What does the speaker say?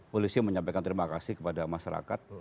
polisi menyampaikan terima kasih kepada masyarakat